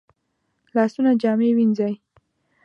لاسونه جامې وینځي